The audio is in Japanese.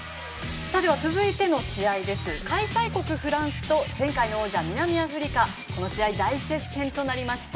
続いて、開催国フランスと前回王者の南アフリカはこの試合、大接戦となりました。